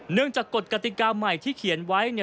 จากกฎกติกาใหม่ที่เขียนไว้